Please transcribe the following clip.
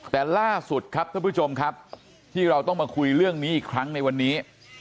แต่ล่าสุดครับท่านผู้ชมครับที่เราต้องมาคุยเรื่องนี้อีกครั้งในวันนี้